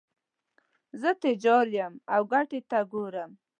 زه تجار یم او ګټې ته ګورم.